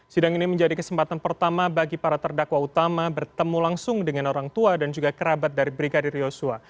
sidang ini menjadi kesempatan pertama bagi para terdakwa utama bertemu langsung dengan orang tua dan juga kerabat dari brigadir yosua